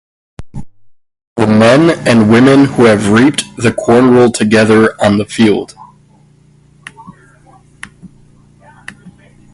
The men and women who have reaped the corn roll together on the field.